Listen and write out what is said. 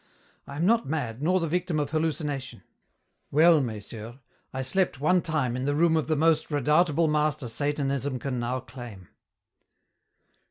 I am not mad nor the victim of hallucination. Well, messieurs, I slept one time in the room of the most redoubtable master Satanism now can claim."